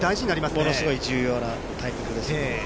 ものすごく重要なタイミングです。